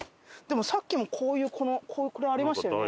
でもさっきもこういうこのありましたよね？